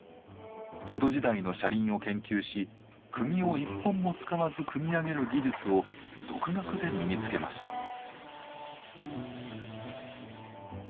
江戸時代の車輪を研究し釘を１本も使わず組み上げる技術を独学で身につけました。